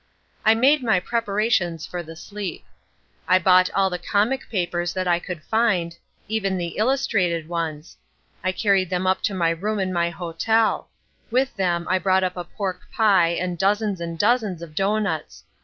I made my preparations for the sleep. I bought all the comic papers that I could find, even the illustrated ones. I carried them up to my room in my hotel: with them I brought up a pork pie and dozens and dozens of doughnuts.